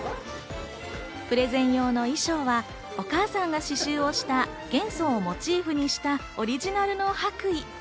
プレゼン用の衣装はお母さんが刺繍をした元素をモチーフにしたオリジナルの白衣。